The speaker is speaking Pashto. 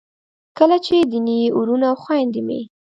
کله چې دیني وروڼه او خویندې مې